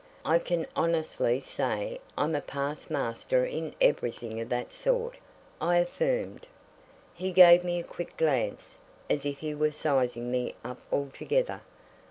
"I can honestly say I'm a past master in everything of that sort," I affirmed. He gave me a quick glance, as if he were sizing me up altogether.